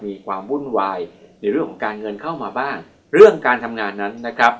มีความวุ่นวายในเรื่องของการเงินเข้ามาบ้างเรื่องการทำงานนั้นนะครับ